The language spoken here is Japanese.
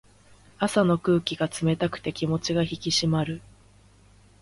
朝の空気が冷たくて気持ちが引き締まる。